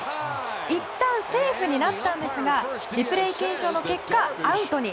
いったんセーフになったんですがリプレイ検証の結果アウトに。